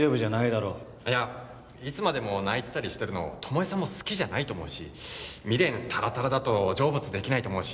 いやいつまでも泣いてたりしてるの巴さんも好きじゃないと思うし未練タラタラだと成仏できないと思うし。